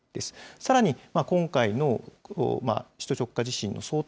さらに今回の首都直下地震に想定